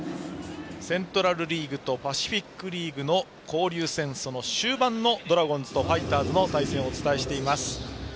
セントラル・リーグとパシフィック・リーグの交流戦その終盤のドラゴンズとファイターズの対戦お伝えしています。